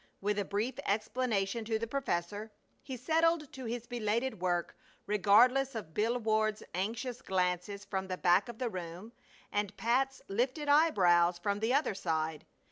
With a brief explanation to the professor, he settled to his belated work regardless of Bill Ward's anxious glances from the back of the room and Pat's lifted eyebrows from the other side.